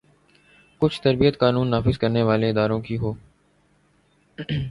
کچھ تربیت قانون نافذ کرنے والے اداروں کی ہو۔